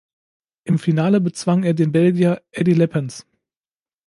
Im Finale bezwang er den Belgier Eddy Leppens.